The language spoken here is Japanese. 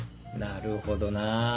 なるほどなぁ。